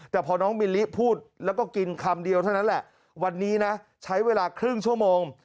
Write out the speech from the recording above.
แต่พอน้องมิลลิพูดแล้วก็กินคำเดียวเท่านั้นแหละวันนี้นะใช้เวลาครึ่งชั่วโมง